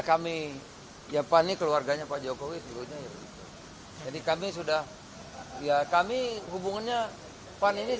kami jepang keluarganya pak jokowi sebelumnya jadi kami sudah ya kami hubungannya panini